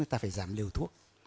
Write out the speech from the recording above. thì ta phải giảm liều thuốc